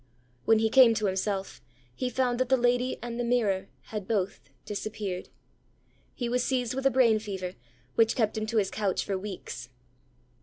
When he came to himself, he found that the lady and the mirror had both disappeared. He was seized with a brain fever, which kept him to his couch for weeks.